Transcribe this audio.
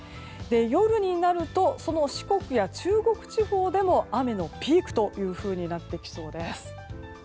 夜になると、四国や中国地方でも雨のピークとなってきそうです。